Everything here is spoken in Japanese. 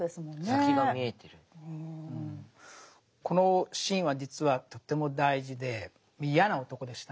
このシーンは実はとっても大事で嫌な男でしたね。